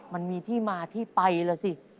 มันมีที่มาที่ไปล่ะสิ